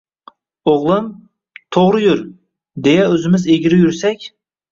“O‘g‘lim, to‘g‘ri yur”, deya, o‘zimiz egri yursak